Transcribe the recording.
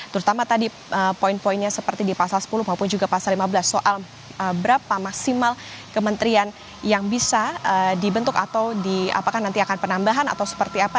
terutama tadi poin poinnya seperti di pasal sepuluh maupun juga pasal lima belas soal berapa maksimal kementerian yang bisa dibentuk atau di apakah nanti akan penambahan atau seperti apa